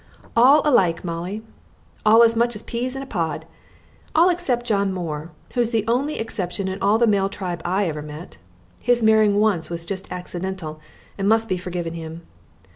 "All alike, Molly; all as much alike as peas in a pod; all except John Moore, who's the only exception in all the male tribe I ever met! His marrying once was just accidental and must be forgiven him.